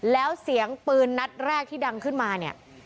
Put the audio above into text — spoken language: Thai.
แล้วเสียงปืนนัดแรกที่ดังขึ้นมาเนี่ย